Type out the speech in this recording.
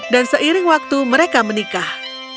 dan seiring waktu mereka menikah